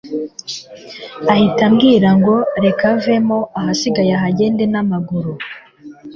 ahita ambwira ngo reka avemo ahasigaye arahagenda namaguru